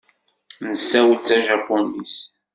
Nessawal tajapunit.